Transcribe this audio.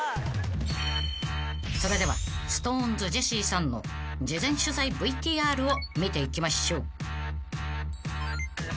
［それではＳｉｘＴＯＮＥＳジェシーさんの事前取材ＶＴＲを見ていきましょう］